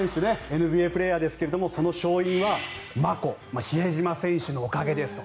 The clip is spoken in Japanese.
ＮＢＡプレーヤーですがその勝因はマコ比江島選手のおかげですと。